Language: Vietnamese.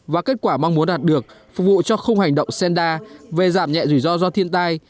và kết quả mong muốn đạt được phục vụ cho khung hành động senda về giảm nhẹ rủi ro do thiên tai